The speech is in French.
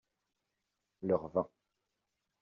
Leur vin.